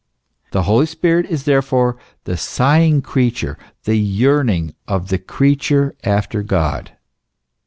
The Holy Spirit is therefore the sighing creature, the yearning of the creature after God.